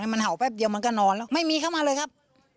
มันเห่าแป๊บเดียวมันก็นอนแล้วไม่มีเข้ามาเลยครับ